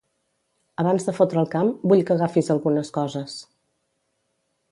Abans de fotre el camp, vull que agafis algunes coses.